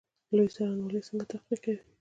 لوی څارنوالي څنګه تحقیق کوي؟